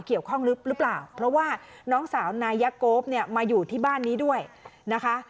หรือเปล่าเพราะว่าน้องสาวนายะโก๊ปเนี่ยมาอยู่ที่บ้านนี้ด้วยนะคะ